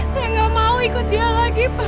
saya gak mau ikut dia lagi pak